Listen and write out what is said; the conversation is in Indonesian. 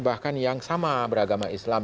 bahkan yang sama beragama islam